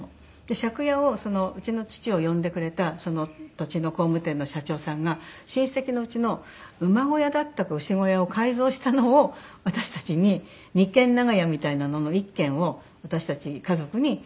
借家をうちの父を呼んでくれたその土地の工務店の社長さんが親戚のうちの馬小屋だったか牛小屋を改造したのを私たちに２軒長屋みたいなのの１軒を私たち家族に用意して待っててくれたんですね。